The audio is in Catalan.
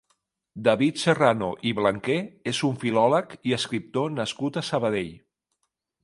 David Serrano i Blanquer és un filòleg i escriptor nascut a Sabadell.